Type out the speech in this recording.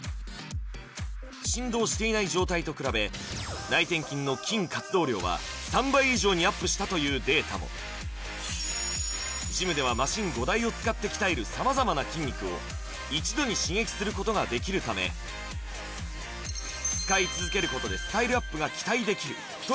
振動していない状態と比べ内転筋の筋活動量は３倍以上にアップしたというデータもジムではマシン５台を使って鍛える様々な筋肉を一度に刺激することができるためというわけなんです